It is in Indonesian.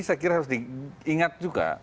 saya kira harus diingat juga